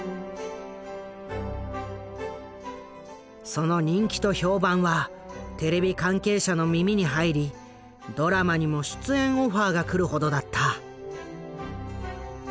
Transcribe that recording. その人気と評判はテレビ関係者の耳に入りドラマにも出演オファーが来るほどだった。